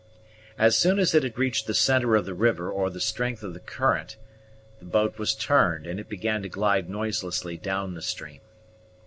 As soon as it had reached the centre of the river or the strength of the current, the boat was turned, and it began to glide noiselessly down the stream.